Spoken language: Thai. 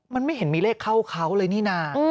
มันไม่เห็นมีเลขเข้าเขาเลยนี่นะ